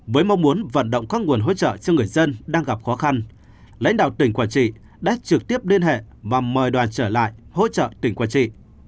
với mong muốn vận động các nguồn hỗ trợ cho người dân đang gặp khó khăn lãnh đạo tỉnh quảng trị đã trực tiếp liên hệ và mời đoàn trở lại hỗ trợ tỉnh quảng trị